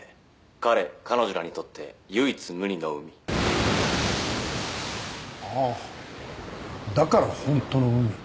「彼彼女らにとって唯一無二の海」ああだからホントの海